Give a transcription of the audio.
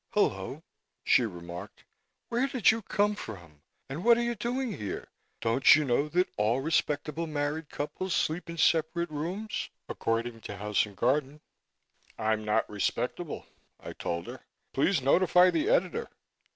"Hullo," she remarked. "Where did you come from? And what are you doing there? Don't you know that all respectable married couples sleep in separate rooms, according to 'House and Garden'?" "I'm not respectable," I told her. "Please notify the editor."